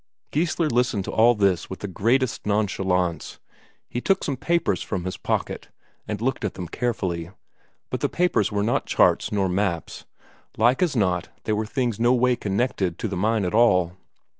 Geissler listened to all this with the greatest nonchalance. He took some papers from his pocket, and looked at them carefully; but the papers were not charts nor maps like as not they were things no way connected with the mine at all.